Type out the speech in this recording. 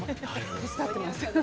手伝っています。